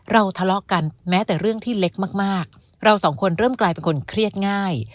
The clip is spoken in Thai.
ทะเลาะกันแม้แต่เรื่องที่เล็กมากเราสองคนเริ่มกลายเป็นคนเครียดง่าย